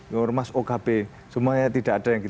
dengan mas okp semuanya tidak ada yang kita